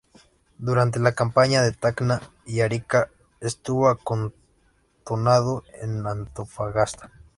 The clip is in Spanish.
Durante la Campaña de Tacna y Arica estuvo acantonado en Antofagasta.